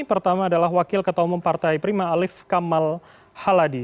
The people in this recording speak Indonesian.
pertama adalah wakil ketua umum partai prima alif kamal haladi